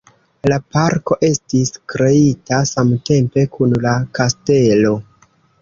La parko estis kreita samtempe kun la kastelo.